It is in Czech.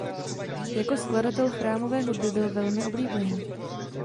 Jako skladatel chrámové hudby byl velmi oblíbený.